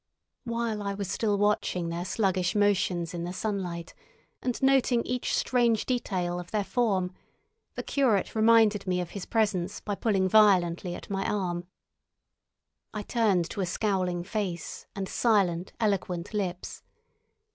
While I was still watching their sluggish motions in the sunlight, and noting each strange detail of their form, the curate reminded me of his presence by pulling violently at my arm. I turned to a scowling face, and silent, eloquent lips.